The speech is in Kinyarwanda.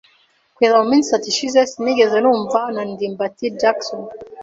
Kugeza muminsi itatu ishize, sinigeze numva na ndimbati Jackson.